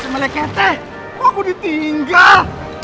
meleket eh aku ditinggal